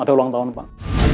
ada ulang tahun pak